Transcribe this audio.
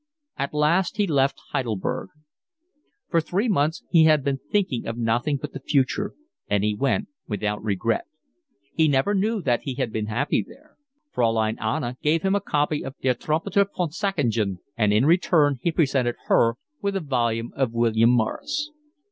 At last he left Heidelberg. For three months he had been thinking of nothing but the future; and he went without regret. He never knew that he had been happy there. Fraulein Anna gave him a copy of Der Trompeter von Sackingen and in return he presented her with a volume of William Morris.